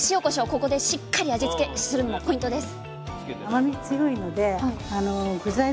ここでしっかり味付けするのもポイントです